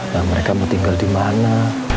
nah mereka mendinggal dimana